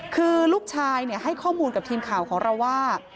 คือลูกชายให้ข้อมูลกับทีมข่าวของเราว่า